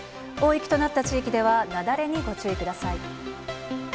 大雪となった地域では、雪崩にご注意ください。